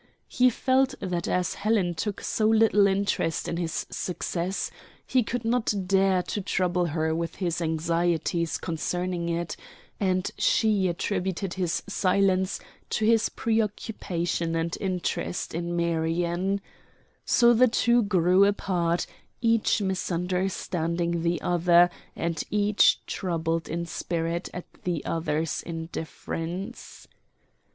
He felt that as Helen took so little interest in his success he could not dare to trouble her with his anxieties concerning it, and she attributed his silence to his preoccupation and interest in Marion. So the two grew apart, each misunderstanding the other and each troubled in spirit at the other's indifference.